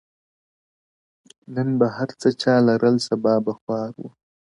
نن به هرڅه چا لرل سبا به خوار وو؛